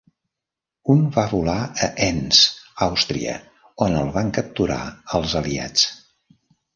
Un va volar a Enns, Àustria, on el van capturar els Aliats.